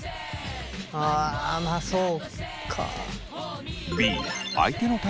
あまあそうか。